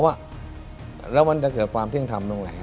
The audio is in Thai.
แล้วมันจะเกิดความเที่ยงทำตรงไหน